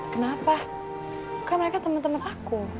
kenapa kan mereka teman teman aku